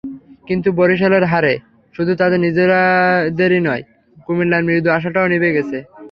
কিন্তু বরিশালের হারে শুধু তাদের নিজেদেরই নয়, কুমিল্লার মৃদু আশাটাও নিভে গেছে।